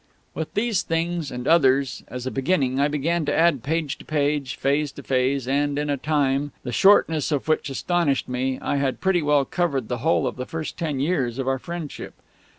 With these things, and others, as a beginning, I began to add page to page, phase to phase; and, in a time the shortness of which astonished myself, I had pretty well covered the whole of the first ten years of our friendship.